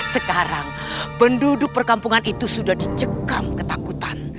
sekarang penduduk perkampungan itu sudah dicekam ketakutan